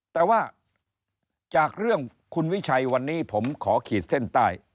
แต่ว่าจากเรื่องคุณวิชัยวันนี้ผมขอขีดเส้นใต้